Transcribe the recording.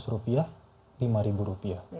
seratus rupiah lima ribu rupiah